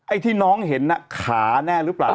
ที่น้องเห็นน่ะขาแน่หรือเปล่า